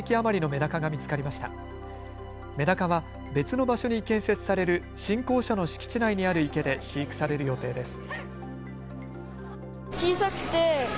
メダカは別の場所に建設される新校舎の敷地内にある池で飼育される予定です。